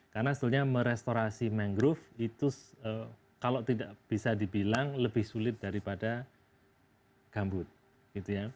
karena sebetulnya merestorasi mangrove itu kalau tidak bisa dibilang lebih sulit daripada gambut gitu ya